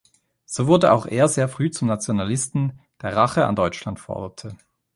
So wurde auch er sehr früh zum Nationalisten, der Rache an Deutschland forderte.